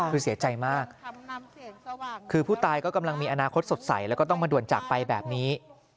คือเสียใจมากคือผู้ตายก็กำลังมีอนาคตสดใสแล้วก็ต้องมาด่วนจากไปแบบนี้